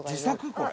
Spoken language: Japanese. これ。